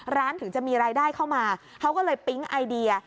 ถึงจะมีรายได้เข้ามาเขาก็เลยปิ๊งไอเดีย